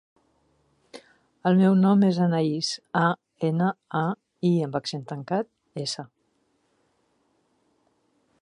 El meu nom és Anaís: a, ena, a, i amb accent tancat, essa.